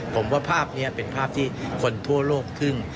ผมว่าภาพนี้เป็นภาพที่คนทั่วโลกทึ่ง